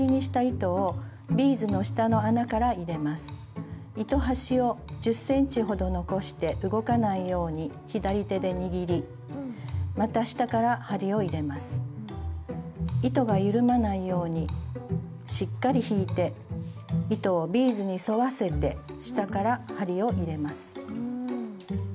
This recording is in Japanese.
糸が緩まないようにしっかり引いて糸をビーズに沿わせて下から針を入れます。